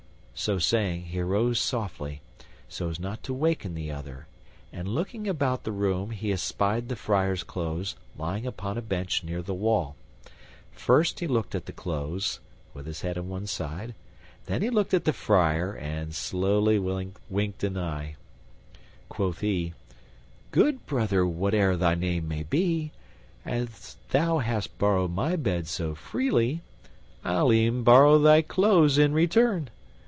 So saying, he arose softly, so as not to waken the other, and looking about the room he espied the friar's clothes lying upon a bench near the wall. First he looked at the clothes, with his head on one side, and then he looked at the friar and slowly winked one eye. Quoth he, "Good Brother What e'er thy name may be, as thou hast borrowed my bed so freely I'll e'en borrow thy clothes in return."